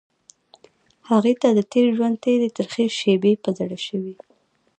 هغې ته د تېر ژوند تېرې ترخې شېبې په زړه شوې.